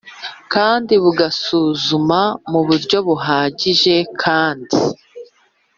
kandi bugasuzuma mu buryo buhagije kandi